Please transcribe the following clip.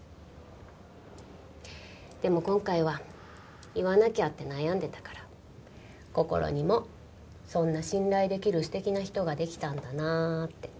でも今回は言わなきゃって悩んでたからこころにもそんな信頼できる素敵な人ができたんだなあって。